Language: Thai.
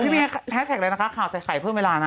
ที่มีแฮสแท็กอะไรนะคะข่าวใส่ไขเพื่อเวลานะคะ